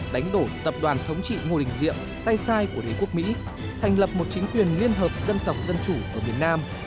đánh đổ tập đoàn thống trị ngô đình diệm tay sai của đế quốc mỹ thành lập một chính quyền liên hợp dân tộc dân chủ ở miền nam